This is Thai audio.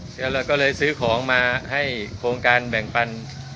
แล้วเราก็เลยซื้อของมาให้โครงการแบ่งปัน